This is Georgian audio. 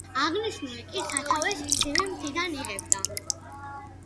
აღნიშნული კი სათავეს ცივი მთიდან იღებდა.